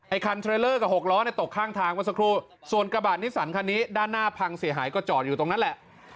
คันเทรลเลอร์กับหกล้อเนี่ยตกข้างทางเมื่อสักครู่ส่วนกระบะนิสันคันนี้ด้านหน้าพังเสียหายก็จอดอยู่ตรงนั้นแหละ